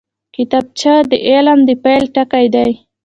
کتابچه د علم د پیل ټکی دی